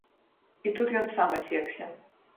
І тут ён сам асекся.